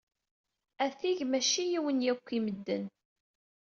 Atig macci yiwen yak i medden.